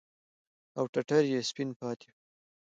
او ټټر يې سپين پاته وي.